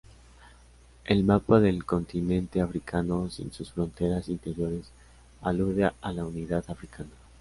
El mapa del Continente Africano, sin sus fronteras interiores, alude a la unidad africana.